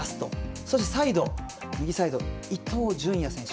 そして右サイド、伊東純也選手。